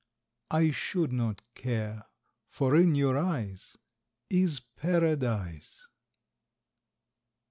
_ I should not care, for in your eyes Is PARADISE.